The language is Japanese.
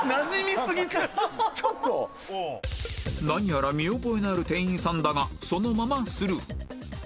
何やら見覚えのある店員さんだがそのままスルー